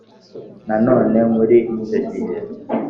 na none muri icyo gihe,